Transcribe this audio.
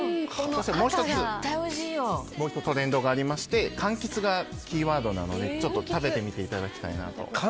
そしてもう１つトレンドがありましてかんきつがキーワードなので食べてみていただきたいなと。